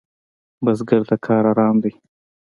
بزګر ته کار آرام دی